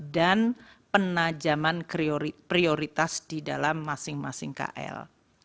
dan penajaman prioritas di dalam masing masing kl